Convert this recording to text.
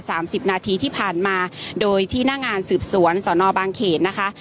สามสิบนาทีที่ผ่านมาโดยที่หน้างานสืบสวนสอนอบางเขตนะคะ